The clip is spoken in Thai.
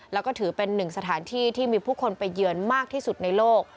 แล้วก็ถือเป็นหนึ่งสถานที่ที่มีผู้คนไปเยือนมากที่สุดในโลก